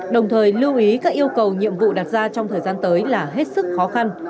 đồng thời lưu ý các yêu cầu nhiệm vụ đặt ra trong thời gian tới là hết sức khó khăn